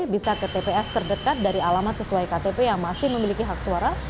bisa ke tps terdekat dari alamat sesuai ktp yang masih memiliki hak suara